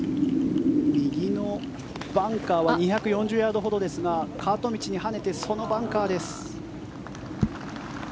右のバンカーは２４０ヤードほどですがカート道で跳ねてそのバンカーです。